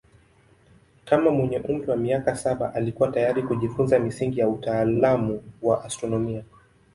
Kama mwenye umri wa miaka saba alikuwa tayari kujifunza misingi ya utaalamu wa astronomia.